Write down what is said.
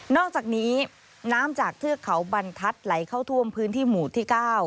อกจากนี้น้ำจากเทือกเขาบรรทัศน์ไหลเข้าท่วมพื้นที่หมู่ที่๙